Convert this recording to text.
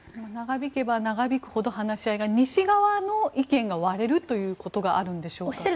長引けば長引くほど話し合いが、西側の意見が割れるということがあるんでしょうか。